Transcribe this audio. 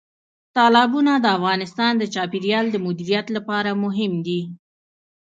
تالابونه د افغانستان د چاپیریال د مدیریت لپاره مهم دي.